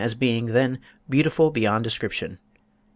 as being then "beautiful beyond description."